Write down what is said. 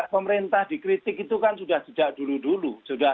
pemerintah dikritik itu kan sudah sejak dulu dulu